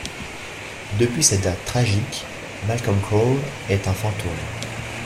Depuis cette date tragique, Malcom Crowe est un fantôme.